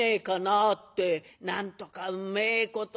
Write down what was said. なんとかうめえこと」。